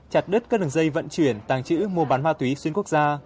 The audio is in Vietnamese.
chặt đứt các đường dây vận chuyển tàng trữ mua bán ma túy xuyên quốc gia